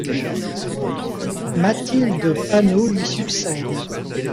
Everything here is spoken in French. Mathilde Panot lui succède.